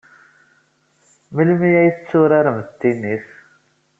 Melmi ay tetturaremt tennis?